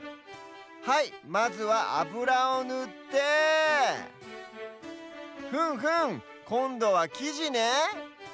はいまずはあぶらをぬってふむふむこんどはきじね。